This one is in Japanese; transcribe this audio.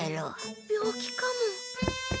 病気かも。